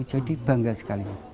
jadi bangga sekali